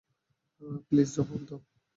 Please জবাব দাও।